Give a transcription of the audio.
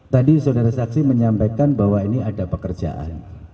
tadi saudara saksi menyampaikan bahwa ini ada pekerjaan